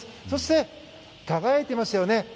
そして、輝いていますよね。